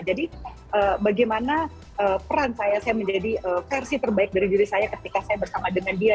jadi bagaimana peran saya saya menjadi versi terbaik dari diri saya ketika saya bersama dengan dia